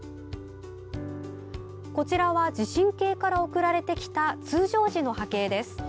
こちらは地震計から送られてきた通常時の波形です。